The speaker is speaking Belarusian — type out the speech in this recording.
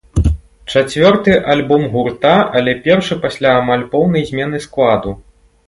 Чацвёрты альбом гурта, але першы пасля амаль поўнай змены складу.